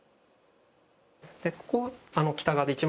ここ、北側で一番。